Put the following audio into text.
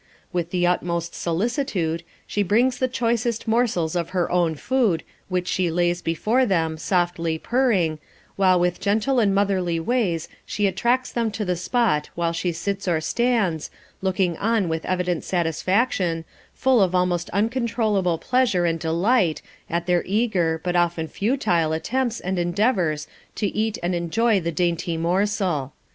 With the utmost solicitude she brings the choicest morsels of her own food, which she lays before them, softly purring, while with gentle and motherly ways she attracts them to the spot while she sits or stands, looking on with evident satisfaction, full of almost uncontrollable pleasure and delight, at their eager, but often futile attempts and endeavours to eat and enjoy the dainty morsel.